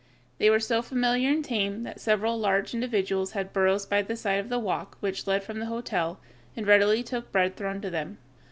They were so familiar and tame that several large individuals had burrows by the side of the walk which led from the hotel, and readily took bread thrown to them.